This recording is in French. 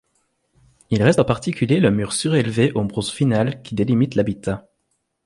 Il reste en particulier le mur sur-élevé au Bronze final qui délimite l'habitat.